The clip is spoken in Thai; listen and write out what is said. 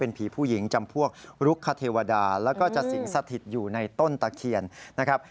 ผีผู้หญิงจำพวกลุกคเทวดาแล้วก็จะสิงสถิตอยู่ในต้นตะเคียนนะครับ